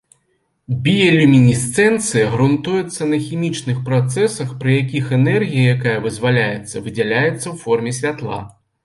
Біялюмінесцэнцыя грунтуецца на хімічных працэсах, пры якіх энергія, якая вызваляецца, выдзяляецца ў форме святла.